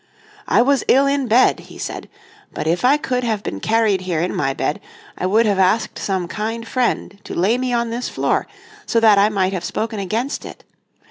"I was ill in bed," he said, "but if I could have been carried here in my bed I would have asked some kind friend to lay my on this floor, so that I might have spoken against it.